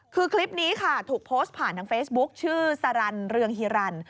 คือคลิปนี้ค่ะถูกโพสต์ผ่านทางเฟซบุ๊คชื่อสารันเรืองฮิรัน